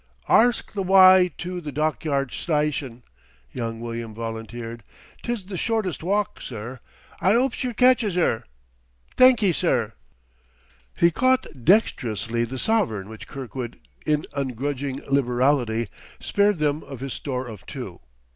"Arsk th' wye to th' Dorkyard Styshun," young William volunteered. "'Tis th' shortest walk, sir. I 'opes yer catches 'er.... Thanky, sir." He caught dextrously the sovereign which Kirkwood, in ungrudging liberality, spared them of his store of two.